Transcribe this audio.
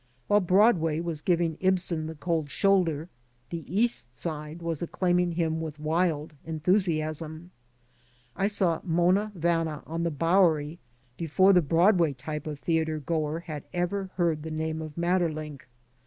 While Broadway was giving Ibsen the cold shoulder, the East Side was acclaiming him with wild enthusiasm. I saw "Monna Vanna" on the Bowery before the Broadway type of theater goer had ever heard the name of Maeterlinck.